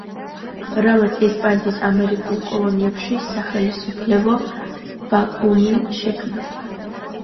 რამაც ესპანეთის ამერიკულ კოლონიებში სახელისუფლებო ვაკუუმი შექმნა.